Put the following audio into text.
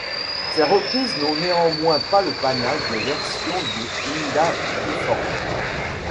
Ces reprises n'ont néanmoins pas le panache des versions de Linda Clifford.